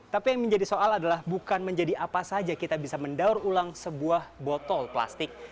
tapi yang menjadi soal adalah bukan menjadi apa saja kita bisa mendaur ulang sebuah botol plastik